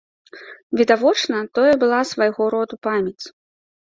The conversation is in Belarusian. Відавочна, тое была свайго роду памяць.